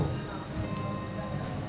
dan kembali lagi ke indonesia